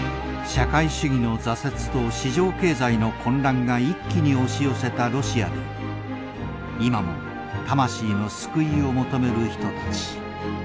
社会主義の挫折と市場経済の混乱が一気に押し寄せたロシアで今も魂の救いを求める人たち。